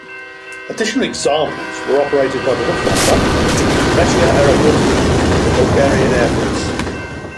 Additional examples were operated by the Luftwaffe, Regia Aeronautica, and the Bulgarian Air Force.